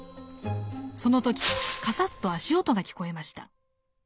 その時かさっと足音が聞こえました。